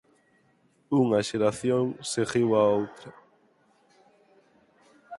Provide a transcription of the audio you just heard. Unha xeración seguiu a outra.